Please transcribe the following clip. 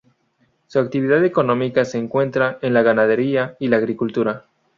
Su actividad económica se concentra en la ganadería y la agricultura.